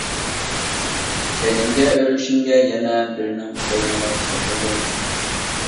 كەينىمگە ئۆرۈلۈشۈمگە يەنە بىرىنىڭ قوينىغا سوقۇلدۇم.